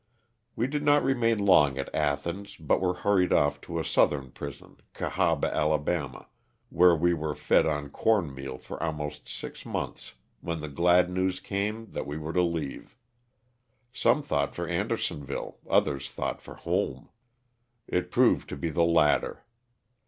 We did not remain long at Athens but were hurried off to a Southern prison, Cahaba, Ala., where we were fed on corn meal for almost six months when the glad news came that we were to leave; some thought for Andersonville, others thought for home. It proved to be the latter.